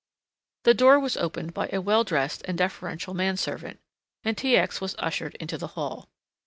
The door was opened by a well dressed and deferential man servant and T. X. was ushered into the hall.